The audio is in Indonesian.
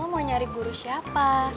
mau nyari guru siapa